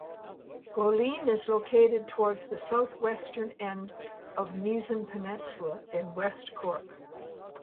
Goleen is located towards the south-western end of the Mizen Peninsula, in West Cork.